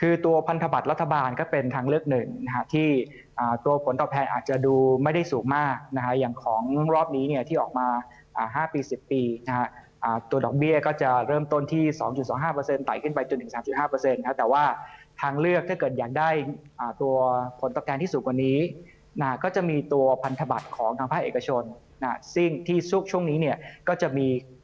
คือตัวพันธบัตรรัฐบาลก็เป็นทางเลือกหนึ่งนะฮะที่ตัวผลตอบแทนอาจจะดูไม่ได้สูงมากนะฮะอย่างของรอบนี้เนี่ยที่ออกมา๕ปี๑๐ปีนะฮะตัวดอกเบี้ยก็จะเริ่มต้นที่๒๒๕ไตขึ้นไปจนถึง๓๕แต่ว่าทางเลือกถ้าเกิดอยากได้ตัวผลตอบแทนที่สูงกว่านี้ก็จะมีตัวพันธบัตรของทางภาคเอกชนซึ่งที่ซุกช่วงนี้เนี่ยก็จะมี